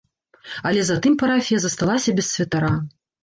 Але затым парафія засталася без святара.